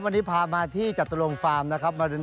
วันนี้พามาที่จตุรงฟาร์มนะครับ